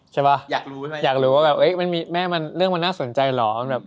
ใช่ป่ะอยากรู้ใช่ป่ะอยากรู้ว่าแม่เรื่องมันน่าสนใจเหรอ